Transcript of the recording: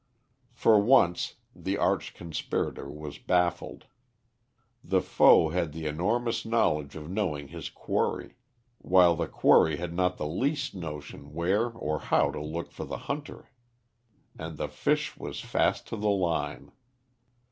For once the arch conspirator was baffled. The foe had the enormous knowledge of knowing his quarry, while the quarry had not the least notion where or how to look for the hunter. And the fish was fast to the line.